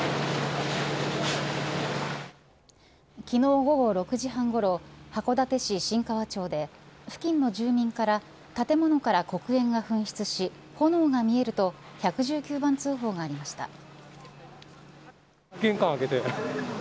昨日、午後６時半ごろ函館市新川町で付近の住民から建物から黒煙が噴出し炎が見えると１１９番通報がありました。